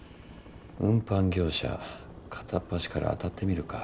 運搬業者片っ端から当たってみるか。